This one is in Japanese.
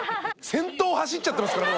先頭走っちゃってるから。